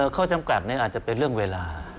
ข้อจำกัดนี้อาจจะเป็นเรื่องเวลา